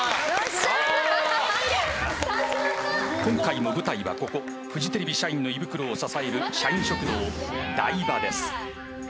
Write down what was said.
今回も舞台は、ここフジテレビ社員の胃袋を支える社員食堂ＤＡＩＢＡです。